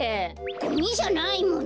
ゴミじゃないもん。